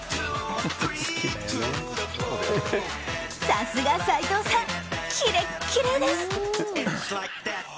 さすが斎藤さんキレッキレです！